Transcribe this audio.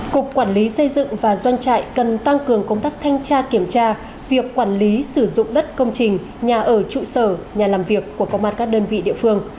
cục quản lý xây dựng và doanh trại cần tăng cường công tác thanh tra kiểm tra việc quản lý sử dụng đất công trình nhà ở trụ sở nhà làm việc của công an các đơn vị địa phương